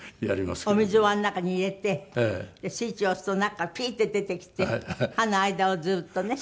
お水をあの中に入れてスイッチを押すとなんかピーッて出てきて歯の間をずーっとね。